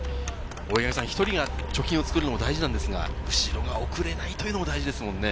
１人が貯金を作るのも大事ですが、後ろが遅れないというのも大事ですもんね。